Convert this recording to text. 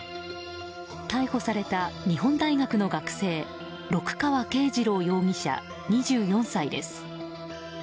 逮捕された日本大学の学生六川恵二朗容疑者、２４歳です。